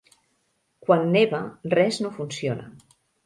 Quan neva, res no funciona.